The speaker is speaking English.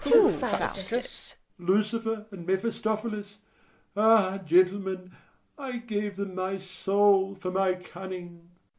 Who, Faustus? FAUSTUS. Lucifer and Mephistophilis. Ah, gentlemen, I gave them my soul for my cunning!